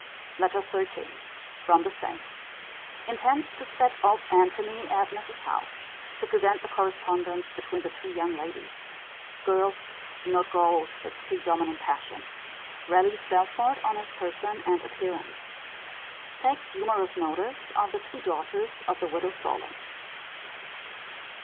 LETTER XIII. From the same. Intends to set old Antony at Mrs. Howe, to prevent the correspondence between the two young ladies. Girl, not gold, his predominant passion. Rallies Belford on his person and appearance. Takes humourous notice of the two daughters of the widow Sorlings.